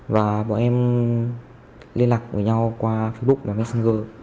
và bọn em liên lạc với nhau qua facebook và messenger